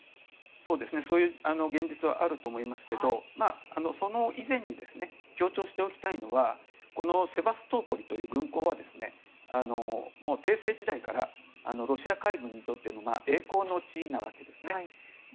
そういう現実はあると思うんですがそれ以前に強調しておきたいのはセバストポリという軍港は帝政時代からロシア海軍にとって栄光の地なんですね。